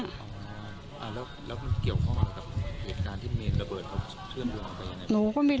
เกี่ยวข้องกับเหตุการณ์ที่เมียนเบิดเค้าเพื่อนดูแม้ถึงวันไหน